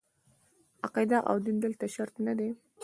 عقیده او دین دلته شرط نه دي.